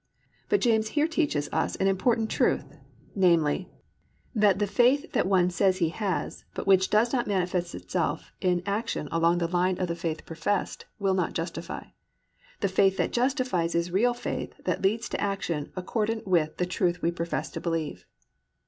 But James here teaches us an important truth, namely, that _the faith that one says he has, but which does not manifest itself in action along the line of the faith professed, will not justify. The faith that justifies is real faith that leads to action accordant with the truth we profess to believe.